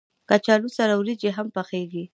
کچالو سره وريجې هم پخېږي